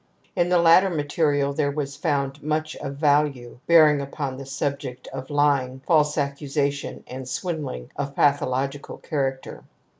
In the latter material there was found much of value bearing upon the subject of lying, false accusation, and swindling of pathological character.